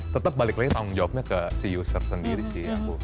tetap balik lagi tanggung jawabnya ke si user sendiri sih